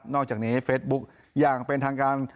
อกจากนี้เฟซบุ๊คอย่างเป็นทางการ